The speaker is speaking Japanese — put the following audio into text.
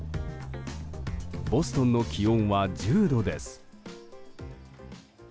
ボストンの気温は１０度です。